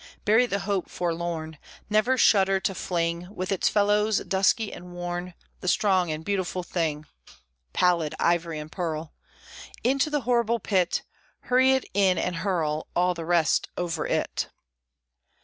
Bury the Hope Forlorn! Never shudder to fling, With its fellows dusky and worn, The strong and beautiful thing (Pallid ivory and pearl!) Into the horrible Pit Hurry it in, and hurl All the rest over it!